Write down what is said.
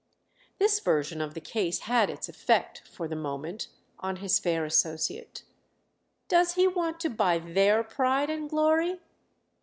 This version of the case had its effect, for the moment, on his fair associate. "Does he want to buy their pride and glory?"